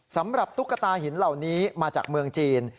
ตุ๊กตาหินเหล่านี้มาจากเมืองจีน